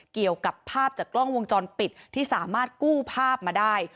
เกี่ยวกับภาพจากกล้องวงจรปิดที่สามารถกู้ภาพมาได้